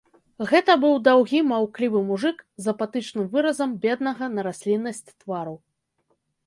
Гэта быў даўгі маўклівы мужык з апатычным выразам беднага на расліннасць твару.